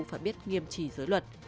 phải biết nghiêm trì giới luật